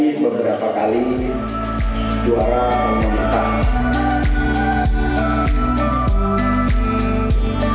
sapi sapi ini mendapat perlakuan istimewa dari pengelitnya